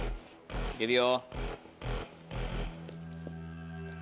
行けるよ。